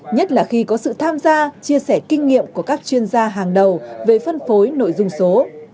nhất là khi có sự tham gia chia sẻ kinh nghiệm của các chuyên gia hàng đầu về phân phối nội dung số